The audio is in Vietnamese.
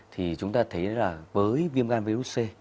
thì chúng ta thấy là với viêm gan virus c